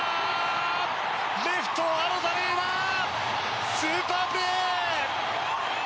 レフト、アロザレーナスーパープレー！